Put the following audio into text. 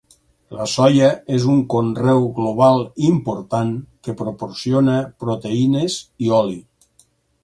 La soia és un conreu global important que proporciona proteïnes i oli.